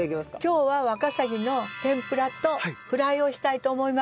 今日はワカサギの天ぷらとフライをしたいと思います。